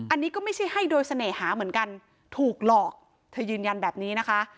อันนี้ก็ไม่ใช่ให้โดยเสน่หาเหมือนกันถูกหลอกเธอยืนยันแบบนี้นะคะ